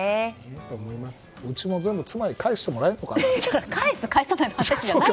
うちも全部妻に返してもらえるのかな。